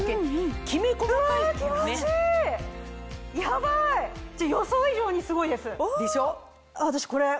ヤバい！予想以上にすごいです。でしょ。